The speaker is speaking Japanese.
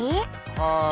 はい。